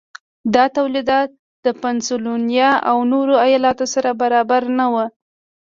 دا تولیدات د پنسلوانیا او نورو ایالتونو سره برابر نه وو.